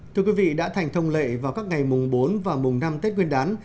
thưa quý vị đã thành thông lệ vào các ngày mùng bốn và mùng năm tết nguyên đán